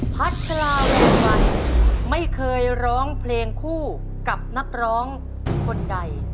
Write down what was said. พัชลาวันไม่เคยร้องเพลงคู่กับนักร้องคนใด